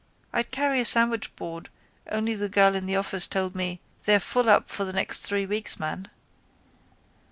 I'd carry a sandwichboard only the girl in the office told me they're full up for the next three weeks, man.